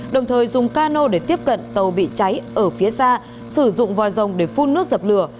đồng thời dùng cano để tiếp cận tàu bị cháy ở phía xa sử dụng vòi rồng để phun nước dập lửa